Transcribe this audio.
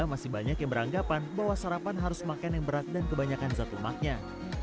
masih banyak yang beranggapan bahwa sarapan harus makan yang berat dan kebanyakan zat lemaknya